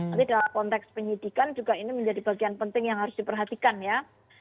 nanti dalam konteks penyidikan juga ini menjadi bagian penting yang harus diperhatikan ya